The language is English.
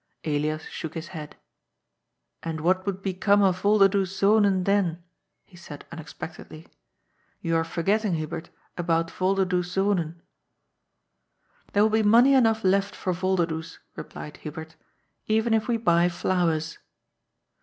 Elias shook his head. "And what would become of Volderdoes Zonen then?" he said unexpectedly. "You are forgetting, Hubert, about Volderdoes Zonen." " There will be money enough left for Volderdoes," re plied Hubert, " even if we buy flowers."